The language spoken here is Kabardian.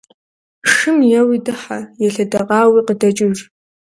Шым еуи дыхьэ, елъэдэкъауи къыдэкӏыж.